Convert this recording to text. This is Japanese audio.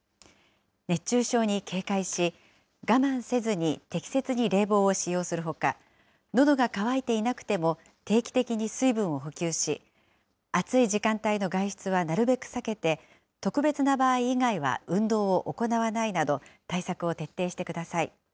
熱中症に警戒し、我慢せずに適切に冷房を使用するほか、のどが渇いていなくても定期的に水分を補給し、暑い時間帯の外出はなるべく避けて、特別な場合以外は運動を行わないなど、対策を徹底してください。